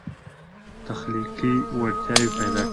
تخلیقي وړتیاوې پیدا کوي.